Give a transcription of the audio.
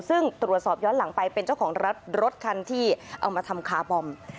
ซึ่งตรวจสอบย้อนหลังไปเป็นเจ้าของรัฐรถคันที่เอามาทำคาร์บอม